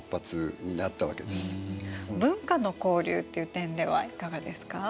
文化の交流という点ではいかがですか？